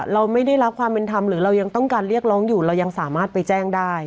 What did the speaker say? เราไม่ได้รับความเป็นธรรมหรือเรายังต้องการเรียกร้องอยู่เรายังสามารถไปแจ้งได้